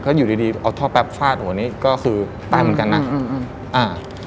ก็อยู่ดีเอาท่อแป๊บฟาดโหนี่ก็คือตายเหมือนกันน่ะ